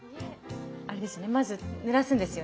あれですよねまずぬらすんですよね。